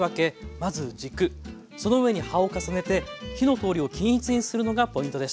まず軸その上に葉を重ねて火の通りを均一にするのがポイントでした。